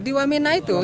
di wamena itu